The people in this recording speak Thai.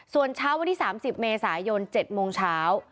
ส่วนเช้าวันที่๓๐เมษายน๗โมงเช้า